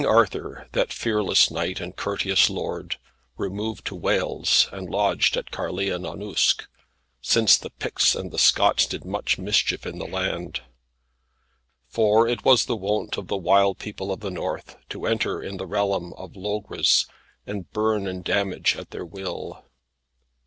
King Arthur that fearless knight and courteous lord removed to Wales, and lodged at Caerleon on Usk, since the Picts and Scots did much mischief in the land. For it was the wont of the wild people of the north to enter in the realm of Logres, and burn and damage at their will.